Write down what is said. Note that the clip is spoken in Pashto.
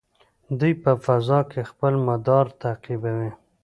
دوی په فضا کې خپل مدار تعقیبوي.